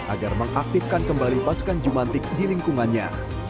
agar mengaktifkan kembali pasukan jumantik di lingkungannya